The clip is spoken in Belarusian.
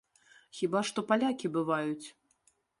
Хіба што палякі бываюць.